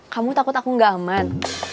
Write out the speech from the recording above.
kamu takut aku gak aman